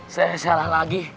saya salah lagi